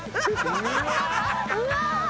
うわ。